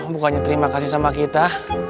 bukannya terima kasih sama kita